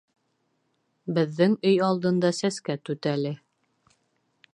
Беҙҙең өй алдында сәскә түтәле